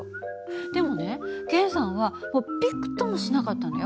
でもね源さんはびくともしなかったのよ。